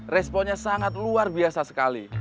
responnya sangat luar biasa sekali